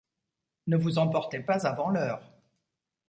Ne vous emportez pas avant l’heure.